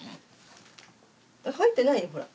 生えてないよほら。